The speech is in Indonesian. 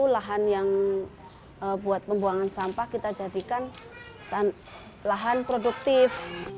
lahan yang buat pembuangan sampah kita jadikan lahan produktif